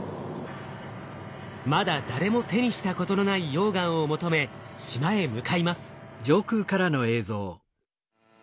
まだ誰も手にしたことのない溶岩を求め島へ向かいます。